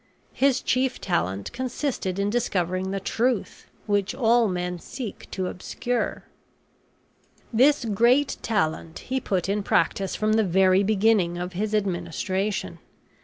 His chief talent consisted in discovering the truth, which all men seek to obscure. This great talent he put in practice from the very beginning of his administration.